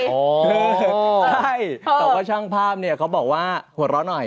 ใช่แต่ว่าช่างภาพเนี่ยเขาบอกว่าหัวเราะหน่อย